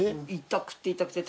痛くて痛くて。